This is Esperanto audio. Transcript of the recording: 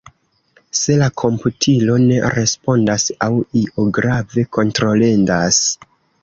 Se la komputilo ne respondas aŭ io grave kontrolendas.